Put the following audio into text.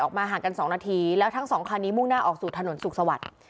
ห่างกัน๒นาทีแล้วทั้งสองคันนี้มุ่งหน้าออกสู่ถนนสุขสวัสดิ์